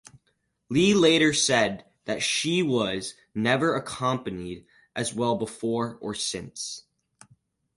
Lee later said that she was never accompanied as well before or since.